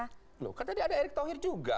loh kan tadi ada erick thohir juga